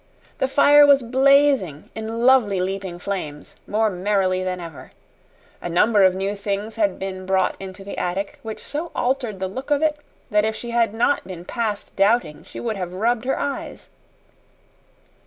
The fire was blazing, in lovely leaping flames, more merrily than ever. A number of new things had been brought into the attic which so altered the look of it that if she had not been past doubting she would have rubbed her eyes.